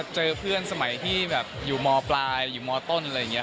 เจอเพื่อนสมัยที่แบบอยู่มปลายอยู่มต้นอะไรอย่างนี้